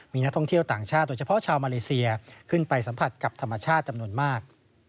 มีนักท่องเที่ยวต่างชาติโดยเฉพาะชาวมาเลเซียขึ้นไปสัมผัสกับธรรมชาติจำนวนมาก